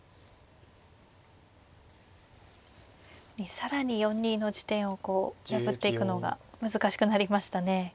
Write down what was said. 更に４二の地点をこう破っていくのが難しくなりましたね。